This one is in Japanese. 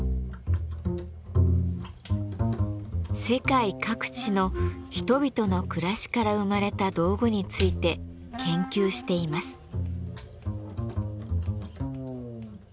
世界各地の人々の暮らしから生まれた道具について研究しています。